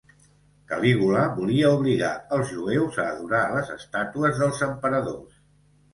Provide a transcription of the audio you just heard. Calígula volia obligar els jueus a adorar les estàtues dels emperadors.